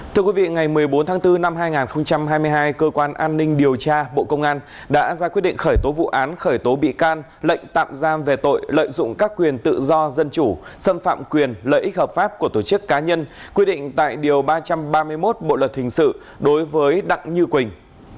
thưa quý vị ngày một mươi bốn tháng bốn năm hai nghìn hai mươi hai cơ quan an ninh điều tra bộ công an đã ra quyết định khởi tố vụ án khởi tố bị can lệnh tạm giam về tội lợi dụng các quyền tự do dân chủ xâm phạm quyền lợi ích hợp pháp của tổ chức cá nhân quy định tại điều ba trăm ba mươi một bộ luật hình sự đối với đặng như quỳnh